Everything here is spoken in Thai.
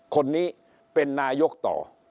คนนี้เป็นนายกต่อ